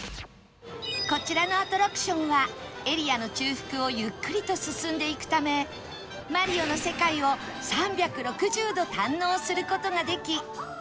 こちらのアトラクションはエリアの中腹をゆっくりと進んでいくため『マリオ』の世界を３６０度堪能する事ができ